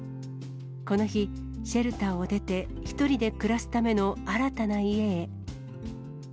この日、シェルターを出て、１人で暮らすための新たな家へ。